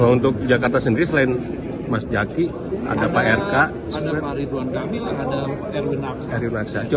untuk jakarta sendiri selain mas jaki ada pak rk ada pak ridwan dami ada pak erwin aksa